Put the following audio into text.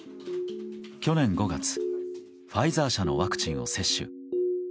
去年５月ファイザー社のワクチンを接種。